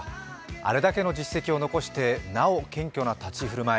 あれだけの実績を残して、なお、謙虚な立ち居振る舞い。